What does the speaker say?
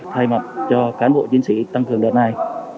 thay mặt cho cán bộ chiến sĩ tăng cường đợt này